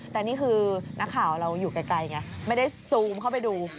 แต่นี่คือนักข่าวเราอยู่ไกลไงไม่ได้ซูมเข้าไปดู